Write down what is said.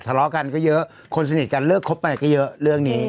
ทะเลาะกันก็เยอะคนสนิทกันเลิกคบไปไหนก็เยอะเรื่องนี้